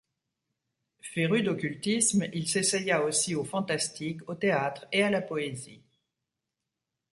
Féru d'occultisme, il s'essaya aussi au fantastique, au théâtre et à la poésie.